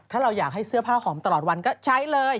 ถ้าเราอยากให้เสื้อผ้าหอมตลอดวันก็ใช้เลย